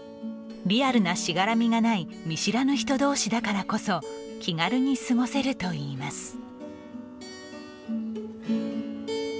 リアルなしがらみがない見知らぬ人どうしだからこそ気軽に過ごせるといいます。